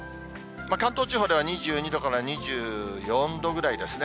関東地方では２２度から２４度ぐらいですね。